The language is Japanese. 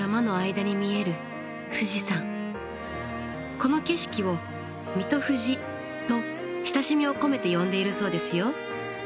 この景色を三津富士と親しみを込めて呼んでいるそうですよ。